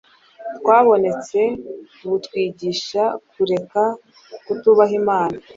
bwabonetse, butwigisha kureka kutubaha Imana,